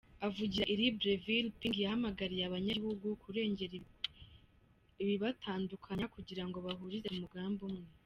Avugira i Libreville, Ping yahamagariye abanyagihugu kurengera ibibatandukanya kugira bahurize ku mugambi umwe.